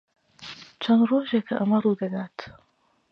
چەند ڕۆژێکە ئەمە ڕوو دەدات.